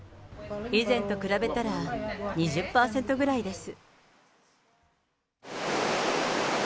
以前と比べたら、２０％ぐらいです。